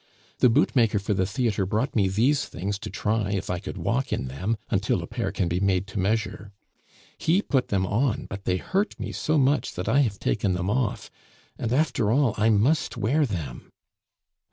The bootmaker for the theatre brought me these things to try if I could walk in them, until a pair can be made to measure. He put them on, but they hurt me so much that I have taken them off, and after all I must wear them."